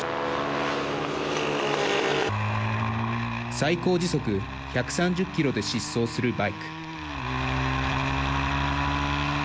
最高時速１３０キロで疾走するバイク。